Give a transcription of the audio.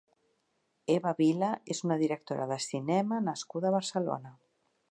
Eva Vila és una directora de cinema nascuda a Barcelona.